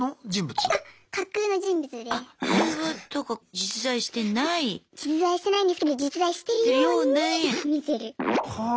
実在してないんですけど実在してるように見せる。はあ。